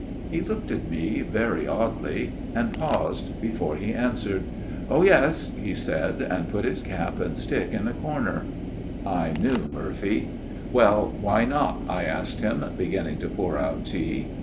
" He looked at me very oddly ; and paused before he answered. "' Oh, yes,' he said ; and put his cap and stick in a corner. " I knew Murphy. "' Well, why not ?' I asked him, beginning to pour out tea.